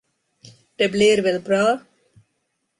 Det blir väl bra?